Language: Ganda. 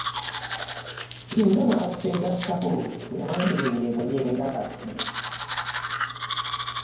Ssinga mwatwegattako temwandibonyeebonye nga kati.